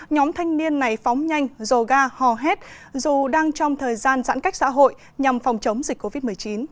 nhóm thanh niên này phóng nhanh dồ ga hò hét dù đang trong thời gian giãn cách xã hội nhằm phòng chống dịch covid một mươi chín